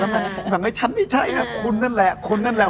มันก็ฉันไม่ใช่คุณนั่นแหละ